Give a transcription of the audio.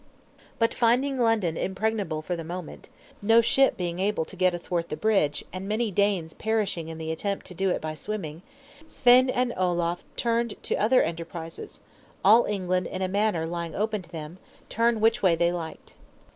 But finding London impregnable for the moment (no ship able to get athwart the bridge, and many Danes perishing in the attempt to do it by swimming), Svein and Olaf turned to other enterprises; all England in a manner lying open to them, turn which way they liked.